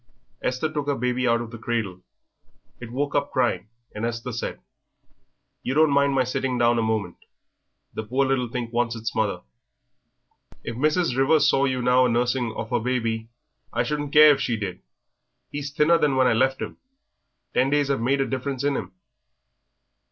Esther took her baby out of the cradle. It woke up crying, and Esther said, "You don't mind my sitting down a moment. The poor little thing wants its mother." "If Mrs. Rivers saw you now a nursing of yer baby?" "I shouldn't care if she did. He's thinner than when I left him; ten days 'ave made a difference in him."